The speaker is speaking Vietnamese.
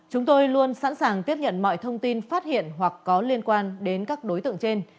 chúng tôi luôn sẵn sàng tiếp nhận mọi thông tin phát hiện hoặc có liên quan đến các đối tượng trên